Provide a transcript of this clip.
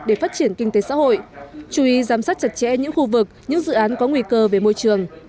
để phát triển kinh tế xã hội chú ý giám sát chặt chẽ những khu vực những dự án có nguy cơ về môi trường